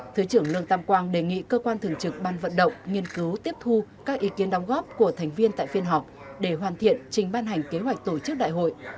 thứ trưởng lương tam quang đề nghị cơ quan thường trực ban vận động nghiên cứu tiếp thu các ý kiến đóng góp của thành viên tại phiên họp để hoàn thiện trình ban hành kế hoạch tổ chức đại hội